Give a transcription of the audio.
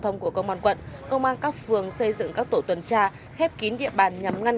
thông của công an quận công an các phường xây dựng các tổ tuần tra khép kín địa bàn nhằm ngăn